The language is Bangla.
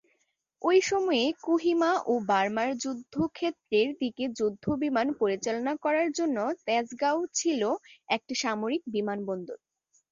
ওই সময়ে কোহিমা ও বার্মার যুদ্ধ ক্ষেত্রের দিকে যুদ্ধ বিমান পরিচালনা করার জন্য তেজগাঁও ছিল একটি সামরিক বিমানবন্দর।